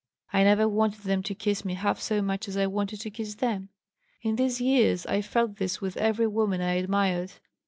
I never wanted them to kiss me half so much as I wanted to kiss them. In these years I felt this with every woman I admired.